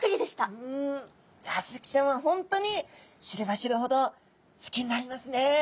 いやスズキちゃんは本当に知れば知るほど好きになりますね。